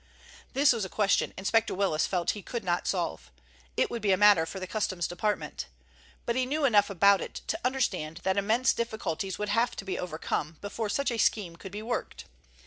This was a question Inspector Willis felt he could not solve. It would be a matter for the Customs Department. But he knew enough about it to understand that immense difficulties would have to be overcome before such a scheme could be worked.